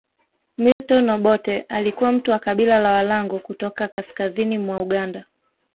Milton Obote alikuwa mtu wa Kabila la Walango kutoka kaskazini mwa Uganda